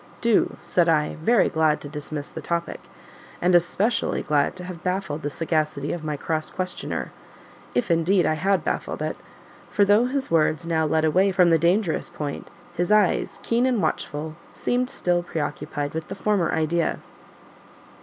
"Do," said I, very glad to dismiss the topic, and especially glad to have baffled the sagacity of my cross questioner if, indeed, I had baffled it; for though his words now led away from the dangerous point, his eyes, keen and watchful, seemed still preoccupied with the former idea.